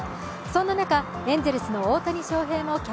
そんな中、エンゼルスの大谷翔平み